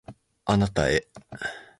あなたへ